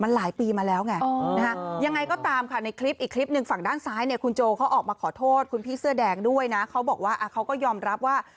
หลายปีมาแล้วไงยังไงก็ตามค่ะในคลิปอีกคลิปหนึ่งฝั่งด้านซ้ายเนี่ยคุณโจเขาออกมาขอโทษคุณพี่เสื้อแดงด้วยนะเขาบอกว่าเขาก็ยอมรับว่า